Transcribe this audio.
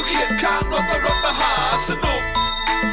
เขียนข้างรถกับรถมหาสนุก